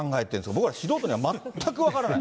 僕ら素人には全く分からない。